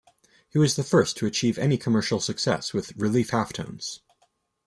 He was the first to achieve any commercial success with relief halftones.